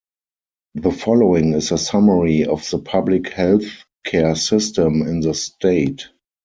The following is a summary of the public health care system in the state.